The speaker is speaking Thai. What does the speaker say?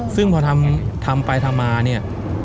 ซึ่งพอทำไปทำมาเนี่ย